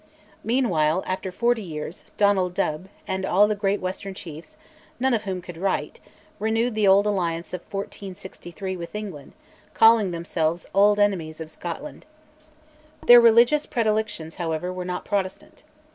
Meanwhile, after forty years, Donald Dubh, and all the great western chiefs, none of whom could write, renewed the alliance of 1463 with England, calling themselves "auld enemies of Scotland." Their religious predilections, however, were not Protestant.